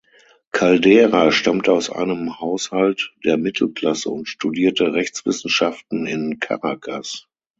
Caldera stammte aus einem Haushalt der Mittelklasse und studierte Rechtswissenschaften in Caracas.